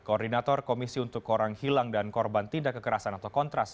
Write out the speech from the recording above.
koordinator komisi untuk orang hilang dan korban tindak kekerasan atau kontras